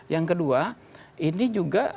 yang kedua ini juga